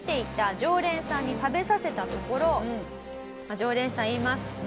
常連さん言います。